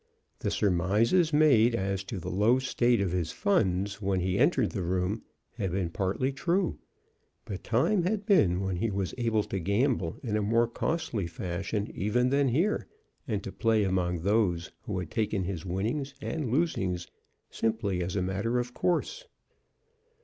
The surmises made as to the low state of his funds when he entered the room had been partly true; but time had been when he was able to gamble in a more costly fashion even than here, and to play among those who had taken his winnings and losings simply as a matter of course.